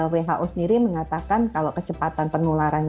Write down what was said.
who sendiri mengatakan kalau kecepatan penularannya